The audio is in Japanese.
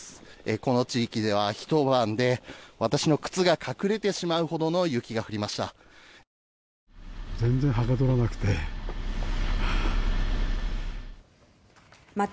この地域では一晩で私の靴が隠れてしまうほどの雪が降りました。